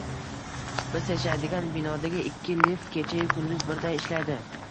Biz yashaydigan binodagi ikki lift kechayu-kunduz birday ishlaydi.